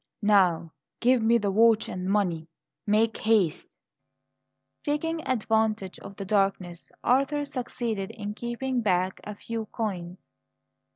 "Now, give me the watch and money. Make haste!" Taking advantage of the darkness, Arthur succeeded in keeping back a few coins.